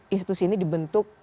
institusi ini dibentuk